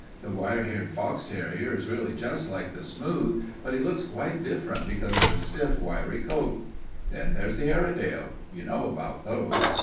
The wire haired fox terrier is really just like the smooth, but he looks quite different because of his stiff, wiry coat. Then there's the Airedale. You know about those.